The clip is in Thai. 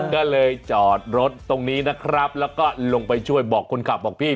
ก็เลยจอดรถตรงนี้นะครับแล้วก็ลงไปช่วยบอกคนขับบอกพี่